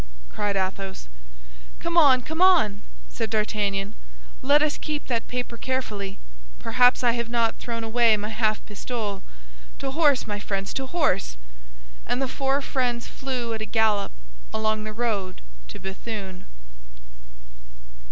cried Athos. "Come on, come on!" said D'Artagnan; "let us keep that paper carefully, perhaps I have not thrown away my half pistole. To horse, my friends, to horse!" And the four friends flew at a gallop along the road to Béthune.